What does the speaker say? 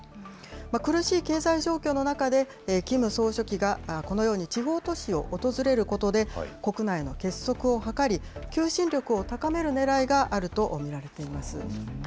苦しい経済状況の中で、キム総書記がこのように地方都市を訪れることで、国内の結束を図り、求心力を高めるねらいがあると見られています。